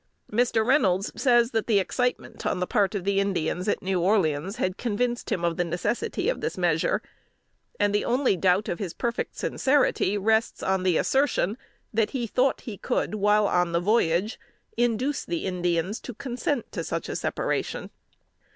Mr. Reynolds says that the excitement on the part of the Indians at New Orleans, had convinced him of the necessity of this measure; and the only doubt of his perfect sincerity rests on the assertion, that he thought he could, while on the voyage, induce the Indians to consent to such separation.